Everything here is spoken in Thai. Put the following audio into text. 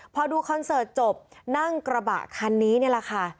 พอดูคอนเสิร์ตจบนั่งกระบะคันนี้นี่แหละค่ะ